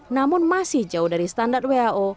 namun masih jauh dari standar who